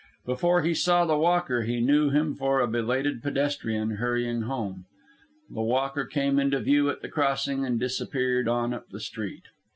Before he saw the walker, he knew him for a belated pedestrian hurrying home. The walker came into view at the crossing and disappeared on up the street.